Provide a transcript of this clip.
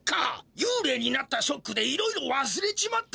ゆうれいになったショックでいろいろわすれちまったんだな。